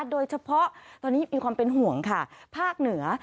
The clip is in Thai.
โดยเฉพาะตอนนี้มีความเป็นห่วงค่ะภาคเหนือ